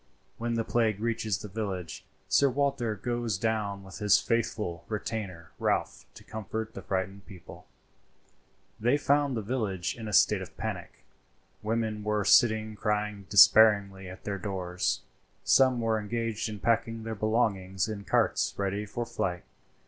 When the plague reaches the village, Sir Walter goes down with his faithful retainer Ralph to comfort the frightened people.] They found the village in a state of panic. Women were sitting crying despairingly at their doors. Some were engaged in packing their belongings in carts ready for flight.